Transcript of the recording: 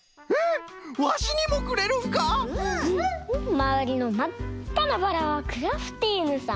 まわりのまっかなバラはクラフティーヌさん。